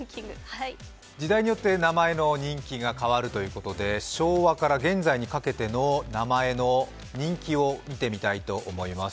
時代によって名前の人気が変わるということで昭和から現在にかけての名前の人気を見てみたいと思います。